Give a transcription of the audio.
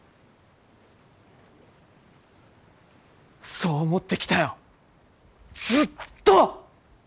そう思ってきたよずっと！